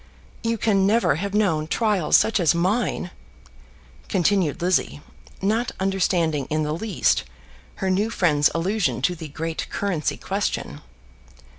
"You can never have known trials such as mine," continued Lizzie, not understanding in the least her new friend's allusion to the great currency question.